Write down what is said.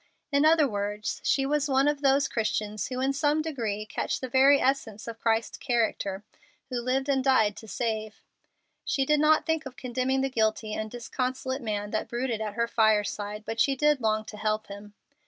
In other words, she was one of those Christians who in some degree catch the very essence of Christ's character, who lived and died to save. She did not think of condemning the guilty and disconsolate man that brooded at her fireside, but she did long to help him.